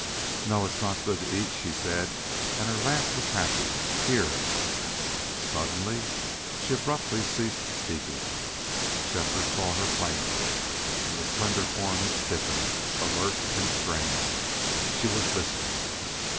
"No, it's not good to eat," she said, and her laugh was happy. "Here " Suddenly she abruptly ceased speaking. Shefford saw her plainly, and the slender form had stiffened, alert and strained. She was listening.